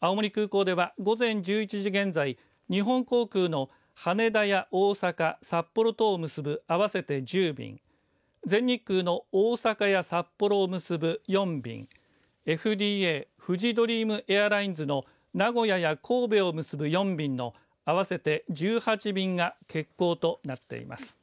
青森空港では、午前１１時現在日本航空の羽田や大阪、札幌等を結ぶあわせて１０便全日空の大阪や札幌を結ぶ４便ＦＤＡフジドリームエアラインズの名古屋や神戸を結ぶ４便の合わせて１８便が欠航となっています。